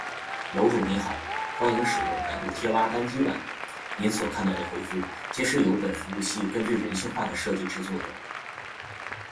楼主你好：欢迎使用百度贴吧单机版！您所看到的回复，皆是由本服务器根据人性化的设计制作的